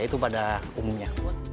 itu pada umumnya